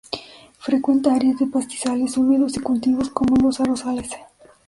Frecuenta áreas de pastizales húmedos y cultivos como los arrozales.